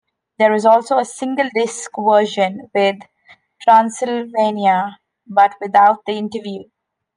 There is also a single-disc version with "Transylvania", but without the interview.